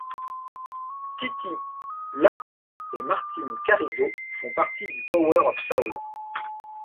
Titi Lapolla et Martín Carrizo font partie du Power of Soul.